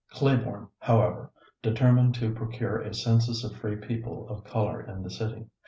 " Claiborne, however, determined to procure a census of free people of color in the city.